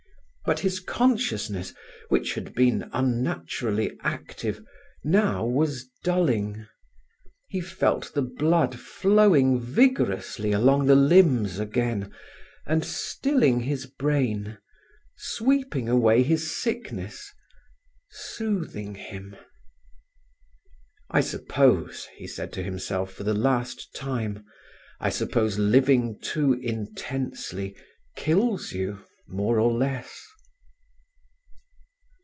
But his consciousness, which had been unnaturally active, now was dulling. He felt the blood flowing vigorously along the limbs again, and stilling has brain, sweeping away his sickness, soothing him. "I suppose," he said to himself for the last time, "I suppose living too intensely kills you, more or less."